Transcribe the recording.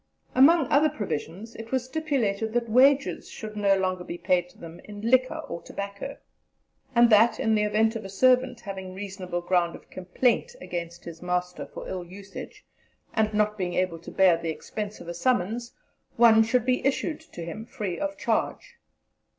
Among other provisions it was stipulated that wages should no longer be paid to them in liquor or tobacco, and that, in the event of a servant having reasonable ground of complaint against his master for ill usage, and not being able to bear the expense of a summons, one should be issued to him free of charge.